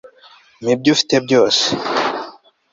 mpa ibyo ufite byose